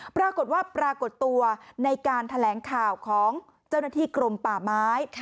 ปรากฏตัวในการแถลงข่าวของเจ้าหน้าที่กรมป่าไม้